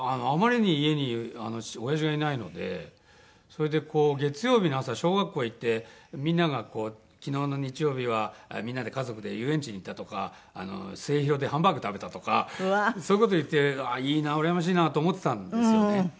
それでこう月曜日の朝小学校へ行ってみんなが「昨日の日曜日はみんなで家族で遊園地に行った」とか「スエヒロでハンバーグ食べた」とかそういう事言っていいなうらやましいなと思ってたんですよね。